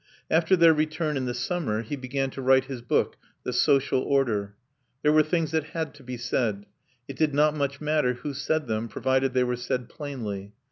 After their return in the summer he began to write his book, The Social Order. There were things that had to be said; it did not much matter who said them provided they were said plainly.